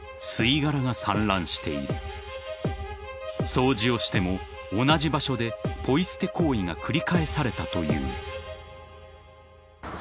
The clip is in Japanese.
［掃除をしても同じ場所でポイ捨て行為が繰り返されたという］